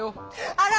あら！